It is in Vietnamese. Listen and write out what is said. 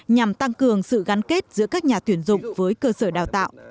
nhằm tăng cường sự gắn kết giữa các nhà tuyển dụng với cơ sở đào tạo